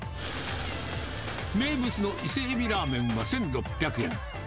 名物のイセエビラーメンは１６００円。